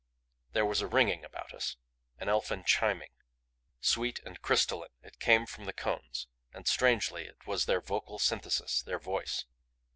There was a ringing about us an elfin chiming, sweet and crystalline. It came from the cones and strangely was it their vocal synthesis, their voice.